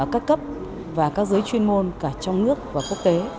các cấp và các giới chuyên môn cả trong nước và quốc tế